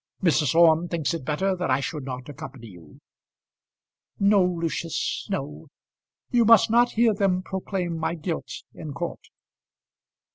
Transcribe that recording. Mrs. Orme thinks it better that I should not accompany you." "No, Lucius, no; you must not hear them proclaim my guilt in court."